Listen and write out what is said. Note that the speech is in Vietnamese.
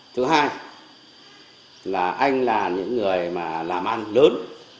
thứ hai là anh là những người mà làm ăn lớn